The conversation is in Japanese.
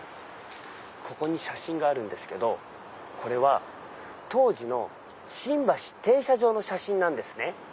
ここに写真があるんですけどこれは当時の新橋停車場の写真なんですね。